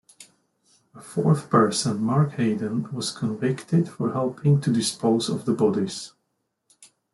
A fourth person, Mark Haydon, was convicted for helping to dispose of the bodies.